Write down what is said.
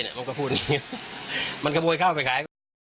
ผมก็พูดอย่างนี้มันขโมยข้าวไปขายก็